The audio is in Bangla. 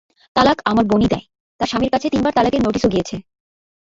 তালাক আমার বোনই দেয়, তার স্বামীর কাছে তিনবার তালাকের নোটিশও গিয়েছে।